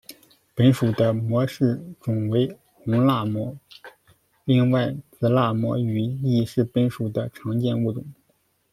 本属的模式种为红蜡蘑，另外紫蜡蘑与亦是本属的常见物种。